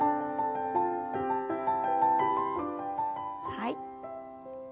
はい。